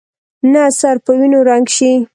نه سر په وینو رنګ شي.